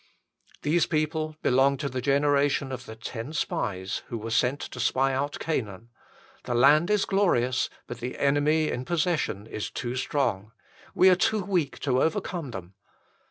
10 146 THE FULL BLESSING OF PENTECOST people belong to the generation of the ten spies who were sent to spy out Canaan : the land is glorious, but the enemy in possession is too strong : we are too weak to overcome them.